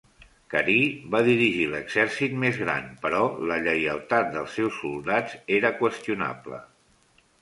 Carí va dirigir l'exèrcit més gran, però la lleialtat dels seus soldats era qüestionable.